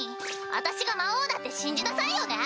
私が魔王だって信じなさいよね！